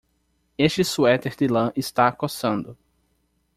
Este suéter de lã está coçando.